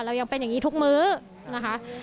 เรายังเป็นอย่างนี้ทุกมื้อนะคะ